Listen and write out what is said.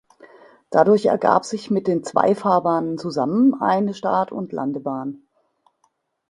Dadurch ergab sich mit den zwei Fahrbahnen zusammen eine Start- und Landebahn.